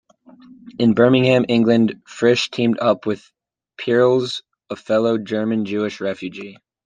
In Birmingham, England, Frisch teamed up with Peierls, a fellow German-Jewish refugee.